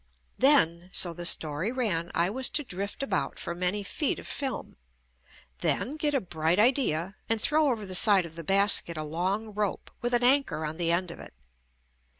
Then, so the story ran, I was to drift about for many feet of film, then get a bright idea and throw over the side of the basket a long rope with an anchor on the end of it.